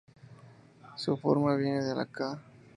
Su forma viene de la К.